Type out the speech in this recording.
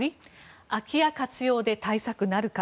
空き家活用で対策なるか。